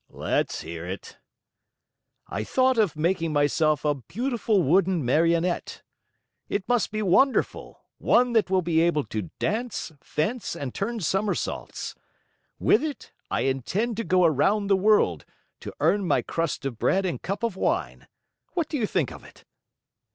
"Let's hear it." "I thought of making myself a beautiful wooden Marionette. It must be wonderful, one that will be able to dance, fence, and turn somersaults. With it I intend to go around the world, to earn my crust of bread and cup of wine. What do you think of it?"